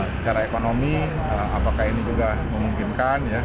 secara ekonomi apakah ini juga memungkinkan